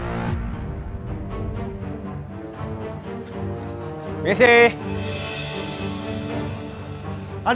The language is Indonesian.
lu ngapain lagi sih kesini